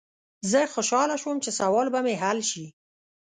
زه خوشحاله شوم چې سوال به مې حل شي.